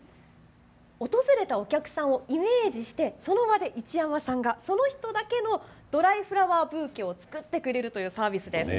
訪れたお客さんをイメージしてその場で市山さんがその人だけのドライフラワーブーケを作ってくれるというサービスです。